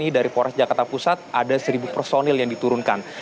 dari polres jakarta pusat ada seribu personil yang diturunkan